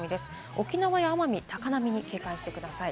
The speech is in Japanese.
沖縄や奄美、高波に警戒してください。